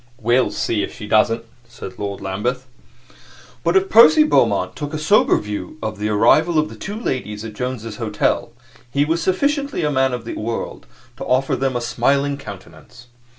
"We'll see if she doesn't," said Lord Lambeth. But if Percy Beaumont took a somber view of the arrival of the two ladies at Jones's Hotel, he was sufficiently a man of the world to offer them a smiling countenance.